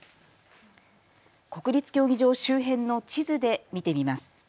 国立競技場周辺の地図で見てみます。